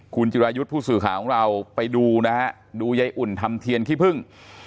คุณจิรายุทธ์ผู้สื่อข่าวของเราไปดูนะฮะดูยายอุ่นทำเทียนขี้พึ่ง